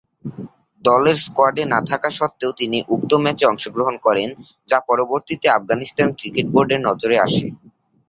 দলের স্কোয়াডে না থাকা সত্ত্বেও তিনি উক্ত ম্যাচে অংশগ্রহণ করেন; যা পরবর্তীতে আফগানিস্তান ক্রিকেট বোর্ডের নজরে আসে।